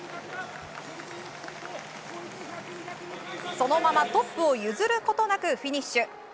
そのままトップを譲ることなくフィニッシュ。